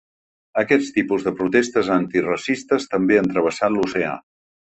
Aquest tipus de protestes antiracistes també han travessat l’oceà.